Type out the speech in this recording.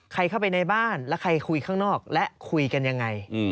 เข้าไปในบ้านและใครคุยข้างนอกและคุยกันยังไง